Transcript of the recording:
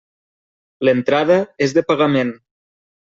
L'entrada és de pagament.